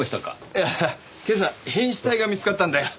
いや今朝変死体が見つかったんだよ。